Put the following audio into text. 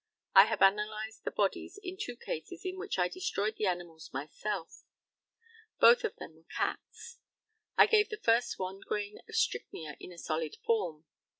I have analysed the bodies in two cases in which I destroyed the animals myself. Both of them were cats. I gave the first one grain of strychnia in a solid form.